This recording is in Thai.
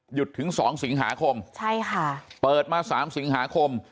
ถึงสองสิงหาคมใช่ค่ะเปิดมา๓สิงหาคม